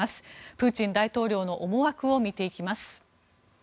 プーチン大統領の思惑を見ていきます。